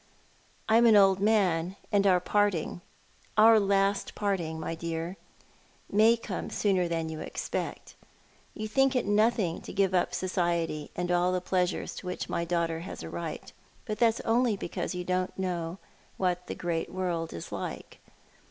I am an old man, and our parting — our last parting, my dear^— may come sooner than you expect. You think it nothing to give up society, and all the pleasures to which my daughter has a right, but that's only because you don't know what the great world is like.